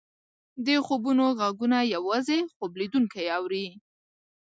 د خوبونو ږغونه یوازې خوب لیدونکی اوري.